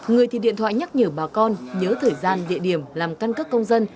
người thì điện thoại nhắc nhở bà con nhớ thời gian địa điểm làm căn cước công dân